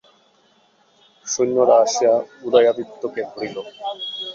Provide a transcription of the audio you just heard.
সৈন্যরা আসিয়া উদয়াদিত্যকে ধরিল।